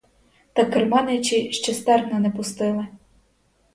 Та керманичі ще стерна не пустили.